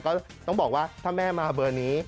ก็ต้องบอกว่าถ้าแม่มาเบอร์นี้